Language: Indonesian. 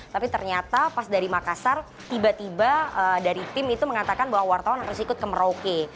tapi ternyata pas dari makassar tiba tiba dari tim itu mengatakan bahwa wartawan harus ikut ke merauke